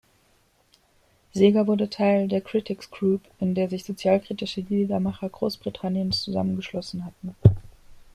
Seeger wurde Teil der "Critics’ Group", in der sich sozialkritische Liedermacher Großbritanniens zusammengeschlossen hatten.